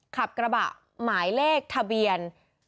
ขับกระบะหมายเลขทะเบียน